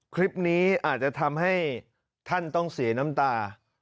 คลิปนี้อาจจะทำให้ท่านต้องเสียน้ำตา